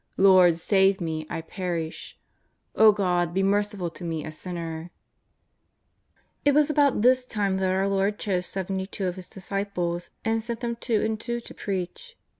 " Lord, save me, I perish !"" O God, be merciful to me, a sinner !" It was about this time that our Lord chose seventy two of His disciples and sent them two and two to preach.